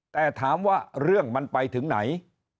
แต่ถามว่าเรื่องมันไปถึงไหน